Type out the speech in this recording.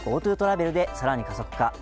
ＧｏＴｏトラベルで更に加速か？